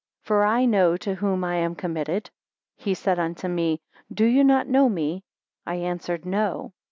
For I know to whom I am committed. He said unto me, Do you not know me? I answered no.